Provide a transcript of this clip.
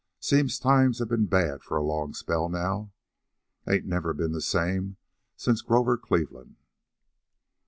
Seems times have been bad for a long spell now. Ain't never been the same since Grover Cleveland."